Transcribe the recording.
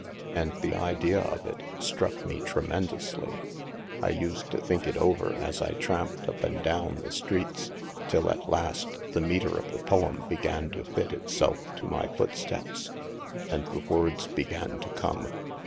And the idea of it struck me tremendously. I used to think it over €i 304 THE MASK as I tramped up and down the streets till, at last, the metre of the poem began to fit itself to my foot steps, and the words began to come.